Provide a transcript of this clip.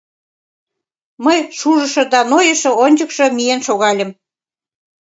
Мый, шужышо да нойышо, ончыкшо миен шогальым.